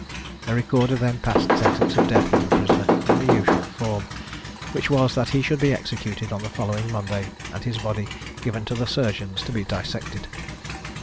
The Recorder then passed sentence of death on the prisoner in the usual form; which was, that he should be executed on the following Monday, and his body given to the surgeons to be dissected.